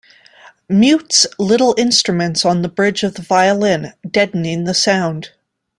Mutes little instruments on the bridge of the violin, deadening the sound.